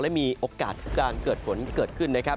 และมีโอกาสการเกิดฝนเกิดขึ้นนะครับ